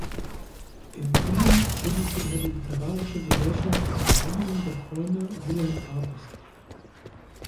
In Unna gründete er die literarische Gesellschaft "Vereinigung der Freunde Wilhelm Raabes".